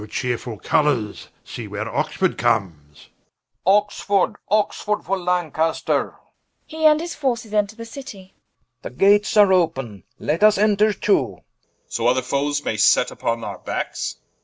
Oh chearefull Colours, see where Oxford comes Oxf. Oxford, Oxford, for Lancaster Rich. The Gates are open, let vs enter too Edw. So other foes may set vpon our backs.